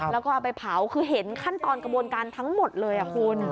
แล้วก็เอาไปเผาคือเห็นขั้นตอนกระบวนการทั้งหมดเลยคุณ